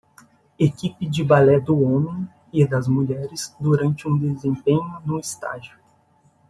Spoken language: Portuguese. Equipe do ballet do homem e das mulheres durante um desempenho no estágio.